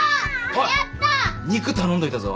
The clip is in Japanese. おい肉頼んどいたぞ。